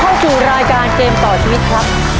เข้าสู่รายการเกมต่อชีวิตครับ